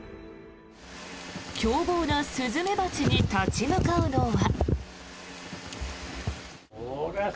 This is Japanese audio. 凶暴なスズメバチに立ち向かうのは。